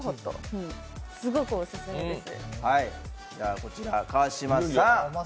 すごくオススメです。